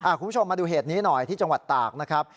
คุณผู้ชมมาดูเหตุนี้หน่อยที่จังหวัดตากนะครับ